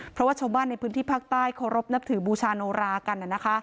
เพราะว่าชาวบ้านในพื้นที่ภาคใต้เคารพนับถือบูชาโนรากัน